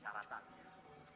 saya sudah tahu